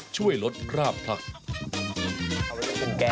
ช่วยลดราบพลักษณ์